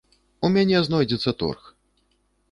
У мяне знойдзецца торг.